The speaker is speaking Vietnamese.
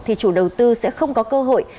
thì chủ đầu tư sẽ không có cơ hội